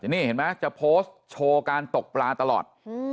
นี่เห็นไหมจะโพสต์โชว์การตกปลาตลอด